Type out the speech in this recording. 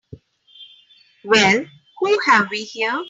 Well who have we here?